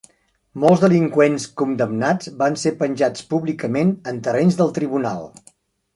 Molts delinqüents condemnats van ser penjats públicament en terrenys del tribunal.